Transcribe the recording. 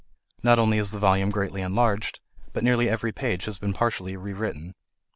Not only is the volume greatly enlarged, but nearly every page has been partly rewritten.